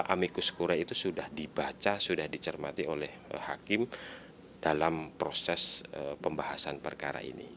amikus kura itu sudah dibaca sudah dicermati oleh hakim dalam proses pembahasan perkara ini